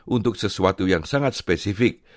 untuk sesuatu yang sangat spesifik